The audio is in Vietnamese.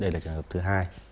đây là trường hợp thứ hai